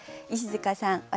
石塚さん